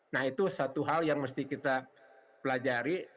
nah itu satu hal yang mesti kita pelajari